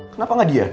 kenapa nggak dia